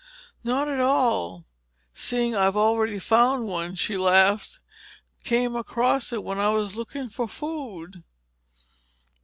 "Not at all—seeing I've already found one," she laughed. "Came across it when I was looking for food."